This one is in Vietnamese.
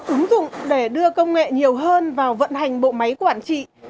ứng dụng để đưa công nghệ nhiều hơn vào vận hành bộ máy quản trị